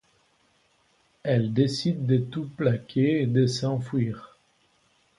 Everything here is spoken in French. Elle décide de tout plaquer et de s'enfuir.